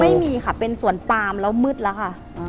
ไม่มีค่ะเป็นสวนปามแล้วมืดแล้วค่ะ